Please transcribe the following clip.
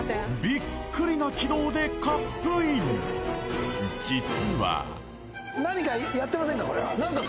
ビックリな軌道でカップイン実は何かやってませんか？